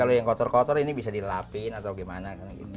kalau yang kotor kotor ini bisa dilapin atau gimana